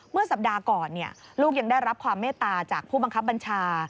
เมื่อสัปดาห์ก่อนลูกยังได้รับความเมตตาจากผู้บังคับบัญชา